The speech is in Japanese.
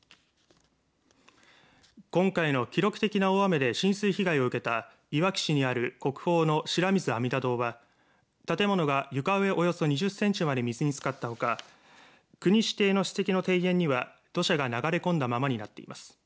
今回の記録的な大雨で浸水被害を受けたいわき市にある国宝の白水阿弥陀堂は建物が床上およそ２０センチまで水につかったほか国指定の史跡の庭園には土砂が流れ込んだままになっています。